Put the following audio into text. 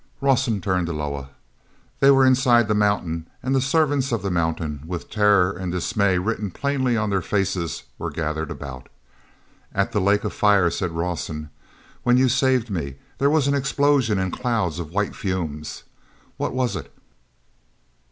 Rawson turned to Loah. They were inside the mountain, and the servants of the mountain, with terror and dismay written plainly on their faces, were gathered about. "At the Lake of Fire," said Rawson, "when you saved me, there was an explosion and clouds of white fumes. What was it?"